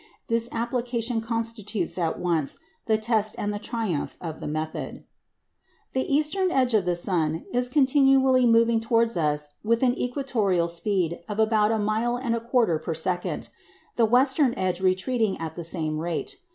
This application constitutes at once the test and the triumph of the method. The eastern edge of the sun is continually moving towards us with an equatorial speed of about a mile and a quarter per second, the western edge retreating at the same rate.